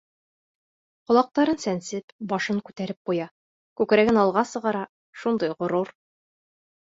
Ҡолаҡтарын сәнсеп, башын күтәреп ҡуя, күкрәген алға сығара, шундай ғорур...